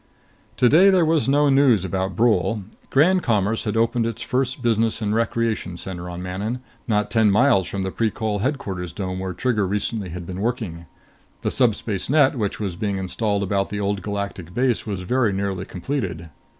Today there was no news about Brule. Grand Commerce had opened its first business and recreation center on Manon, not ten miles from the Precol Headquarters dome where Trigger recently had been working. The subspace net which was being installed about the Old Galactic base was very nearly completed.